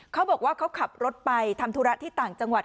เขาบอกว่าเขาขับรถไปทำธุระที่ต่างจังหวัด